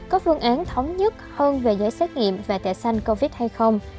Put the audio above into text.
có phương án thống nhất hơn về giấy xét nghiệm và tẻ sanh covid hay không